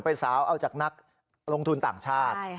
สาวเอาจากนักลงทุนต่างชาติ